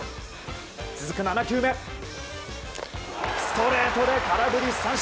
続く７球目ストレートで空振り三振！